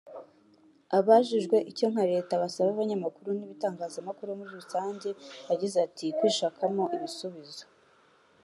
Abajijwe icyo nka Leta basaba abanyamakuru n’ibitangazamakuru muri rusange yagize ati “ Kwishakamo ibisubizo